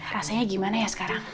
rasanya gimana ya sekarang